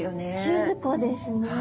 静かですね。